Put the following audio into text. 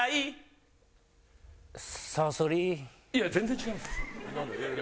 いや全然違いますよ。